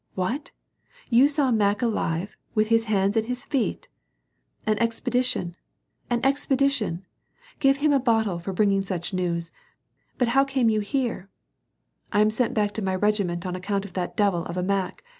" What ! you saw Mack alive — with his hands and his feet ?"" An expedition ! an expedition ! give him a bottle, for bring ing such news !— But how came you here ?" ''I am sent back to my regiment on account of that devil of a Mack